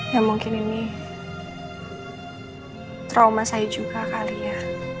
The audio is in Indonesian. ya mungkin ini trauma saya juga kali ya